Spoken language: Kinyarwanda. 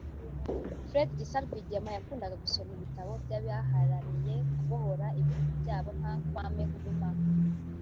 Fred Gisa Rwigema yakundaga gusoma ibitabo by’abaharaniye kubohora ibihugu byabo nka Kwame Nkrumah